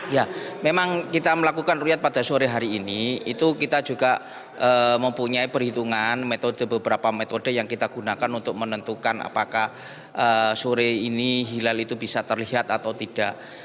ya memang kita melakukan ruyat pada sore hari ini itu kita juga mempunyai perhitungan metode beberapa metode yang kita gunakan untuk menentukan apakah sore ini hilal itu bisa terlihat atau tidak